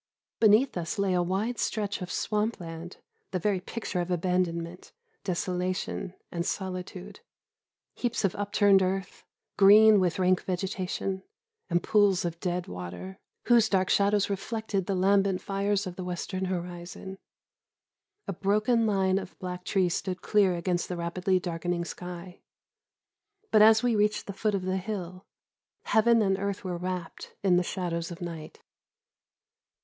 Beneath us lay a wide stretch of swamp land, the very picture of abandonment, desolation, and solitude; heaps of up turned earth, green with rank vegetation, and pools of dead water, whose dark shadows reflected the lambent fires of the western horizon. A broken line of black trees stood clear against the rapidly darkening sky, but, as we reached the foot of the hill, heaven and earth were wrapped in the shadows of night.